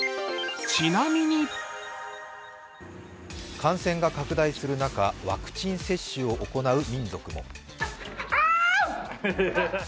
感染が拡大する中、ワクチン接種を行う民族も。